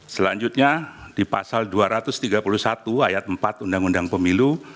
selanjutnya di pasal dua ratus tiga puluh satu ayat empat undang undang pemilu